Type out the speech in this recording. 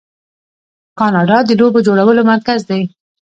کاناډا د لوبو جوړولو مرکز دی.